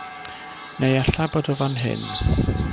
Neu ella bod o fan hyn.